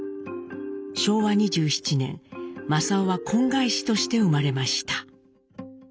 昭和２７年正雄は婚外子として生まれました。